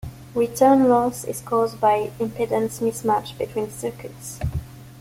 Return loss is caused by impedance mismatch between circuits.